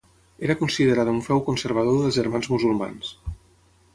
Era considerada un feu conservador dels Germans Musulmans.